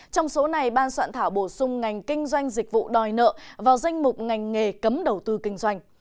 trong số này ban soạn thảo bổ sung ngành kinh doanh dịch vụ đòi nợ vào danh mục ngành nghề cấm đầu tư kinh doanh